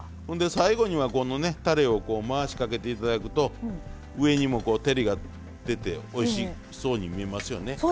ほんで最後にはこのねたれをこう回しかけて頂くと上にも照りが出ておいしそうに見えますよね。